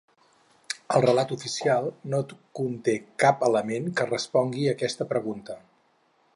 El relat oficial no conté cap element que respongui aquesta pregunta.